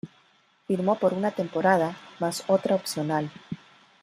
Firmó por una temporada más otra opcional.